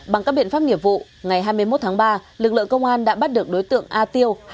bằng các biện pháp nghiệp vụ ngày hai mươi một tháng ba lực lượng công an đã bắt được đối tượng a tiêu